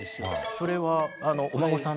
それはお孫さん？